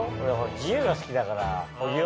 自由が好きだから小木は？